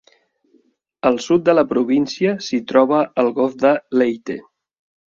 Al sud de la província s'hi troba el golf de Leyte.